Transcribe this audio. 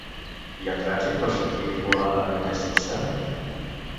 Hi ha trànsit per sortir d'Igualada en aquest instant?